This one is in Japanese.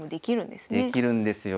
できるんですよ。